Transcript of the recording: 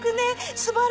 すばら